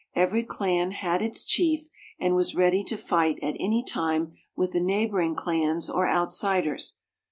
Every clan had its chief, and was ready to fight at any time with the neighboring clans or outsiders.